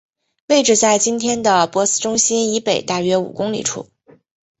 位置在今天的珀斯中心以北大约五公里处。